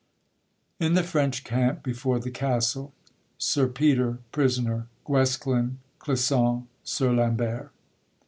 In the French camp before the Castle. Sir Peter prisoner, Guesclin, Clisson, Sir Lambert.